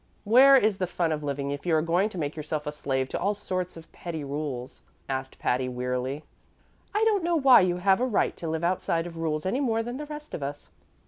"Where is the fun of living if you are going to make yourself a slave to all sorts of petty rules?" asked Patty, wearily. "I don't know why you have a right to live outside of rules any more than the rest of us."